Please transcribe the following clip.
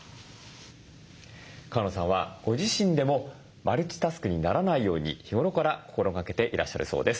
川野さんはご自身でもマルチタスクにならないように日頃から心がけていらっしゃるそうです。